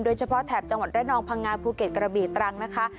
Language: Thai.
แถบจังหวัดระนองพังงาภูเก็ตกระบีตรังนะคะ